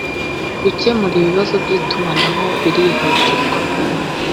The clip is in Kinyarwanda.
gukemura ibibazo by’itumanaho birihutirwa